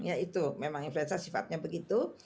ya itu memang influenza sifatnya begitu